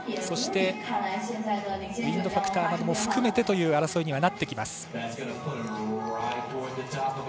そしてウインドファクターなども含めてという争いになってきます。